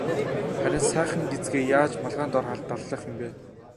Харин сайхан гэзгээ яаж малгайн дор далдлах юм бэ?